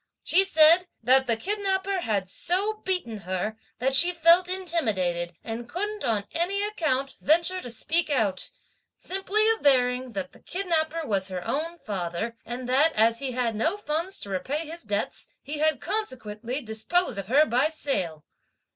She said, 'that the kidnapper had so beaten her, that she felt intimidated, and couldn't on any account, venture to speak out; simply averring that the kidnapper was her own father, and that, as he had no funds to repay his debts, he had consequently disposed of her by sale!'